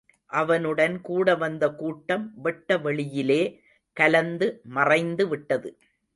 அவனுடன் கூட வந்த கூட்டம் வெட்ட வெளியிலே கலந்து மறைந்துவிட்டது.